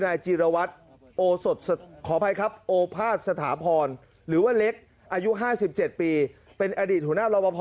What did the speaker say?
นายจีรวัตรโอภาษฐ์สถาพรหรือว่าเล็กอายุ๕๗ปีเป็นอดีตหัวหน้ารอปภ